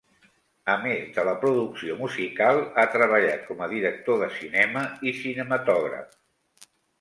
A més de la producció musical, ha treballat com a director de cinema i cinematògraf.